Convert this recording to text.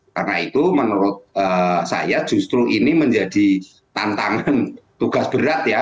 karena itu menurut saya justru ini menjadi tantangan tugas berat ya